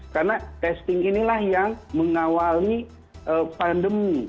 karena testing inilah yang mengawali pandemi